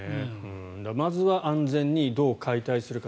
まずは安全にどう解体するか。